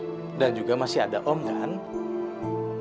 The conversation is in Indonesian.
selama ini om kan sudah menganggap kamu seperti anak om sendiri